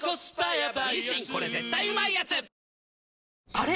あれ？